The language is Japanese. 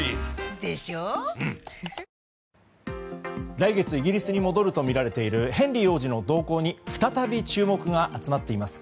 来月、イギリスに戻るとみられているヘンリー王子の動向に再び注目が集まっています。